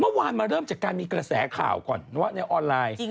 เมื่อวานมาเริ่มจากการมีกระแสข่าวก่อนว่าในออนไลน์